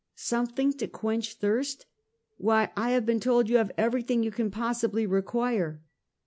"Something to quench thirst? Why, I have been told you have everything you can possibly require!"